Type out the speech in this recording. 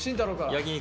「焼肉」。